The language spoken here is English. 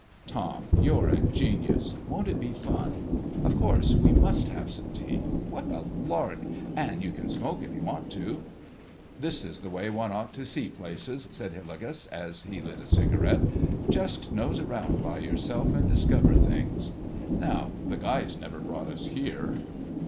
"Tom, you're a genius! Won't it be fun! Of course we must have some tea. What a lark! And you can smoke if you want to." "This is the way one ought to see places," said Hillegas, as he lit a cigarette; "just nose around by yourself and discover things. Now, the guides never brought us here."